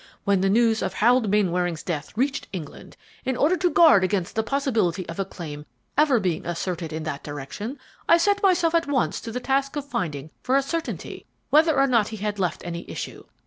When the news of Harold Mainwaring's death reached England, in order to guard against the possibility of a claim ever being asserted in that direction, I set myself at once to the task of finding for a certainty whether or not he had left any issue.